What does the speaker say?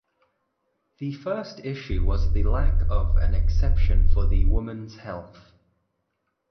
The first issue was the lack of an exception for the woman's health.